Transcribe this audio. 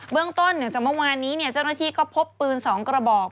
เรื่องต้นหลังจากเมื่อวานนี้เจ้าหน้าที่ก็พบปืน๒กระบอก